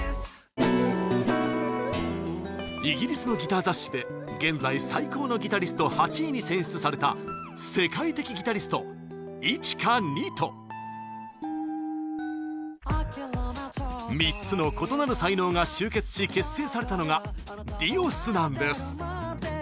イギリスのギター雑誌で現在最高のギタリスト８位に選出された世界的ギタリストＩｃｈｉｋａＮｉｔｏ。３つの異なる才能が集結し結成されたのがＤｉｏｓなんです。